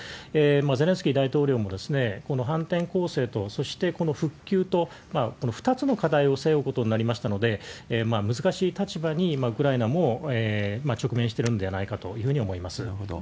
ゼレンスキー大統領も、この反転攻勢と、そしてこの復旧と、この２つの課題を背負うことになりましたので、難しい立場にウクライナも直面しているのではないかというふうになるほど。